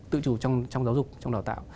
tự chủ trong giáo dục trong đào tạo